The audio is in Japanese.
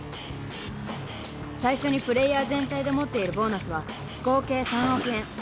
最初にプレーヤー全体で持っているボーナスは合計３億円。